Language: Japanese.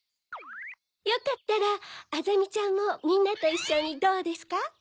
よかったらあざみちゃんもみんなといっしょにどうですか？